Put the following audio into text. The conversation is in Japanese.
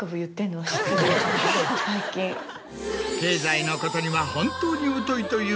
最近。経済のことには本当に疎いという。